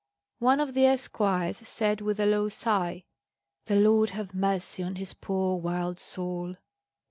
One of the esquires said with a low sigh: "The Lord have mercy on his poor wild soul!"